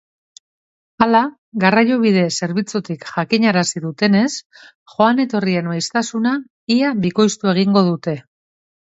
Hala, garraiobide zerbitzutik jakinarazi dutenez, joan-etorrien maiztasuna ia bikoiztu egingo dute.